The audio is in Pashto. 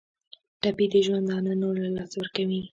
ټپي د ژوندانه نور له لاسه ورکوي.